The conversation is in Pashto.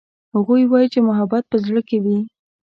هغوی وایي چې محبت په زړه کې وي